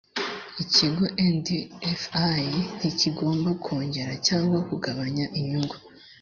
ikigo ndfi ntikigomba kongera cyangwa kugabanya inyungu